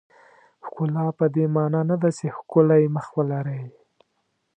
ښکلا پدې معنا نه ده چې ښکلی مخ ولرئ.